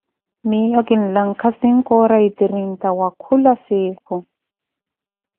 Miyo kinlakha sinkoora e trinta wakhula sikhu.